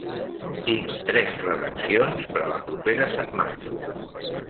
Tinc tres redaccions per a la propera setmana.